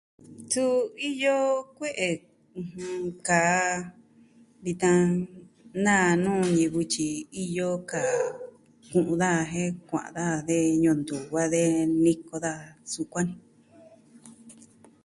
Suu iyo kue'e kaa vitan naá nuu ñivɨ tyi iyo kaa ku'un daja jen kua'an daja de Ñuu nuva de niko daja, sukuan ni.